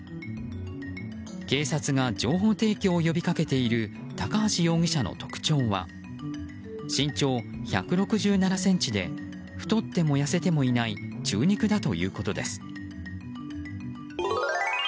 警察が情報提供を呼び掛けている高橋容疑者の特徴は身長１６７ｃｍで太っても痩せてもいない中肉だということです。